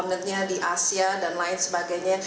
bangetnya di asia dan lain sebagainya